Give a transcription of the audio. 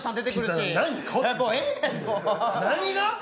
何が？